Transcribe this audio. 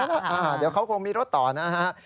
เดี๋ยวเขาคงมีรถต่อนะฮะ